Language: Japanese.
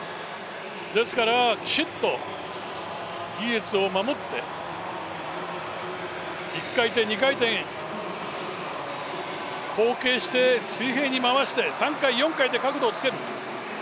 ですからきちっと技術を守って、１回転、２回転、後傾して、水平に回して、３回、４回と角度をつける。